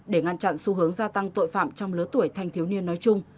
để ngăn chặn xu hướng gia tăng tội phạm trong lứa tuổi thanh thiếu niên nói chung